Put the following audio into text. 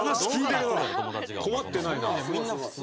困ってないな。